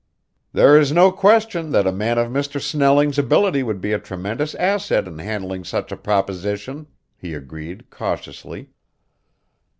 "There is no question that a man of Mr. Snelling's ability would be a tremendous asset in handling such a proposition," he agreed cautiously.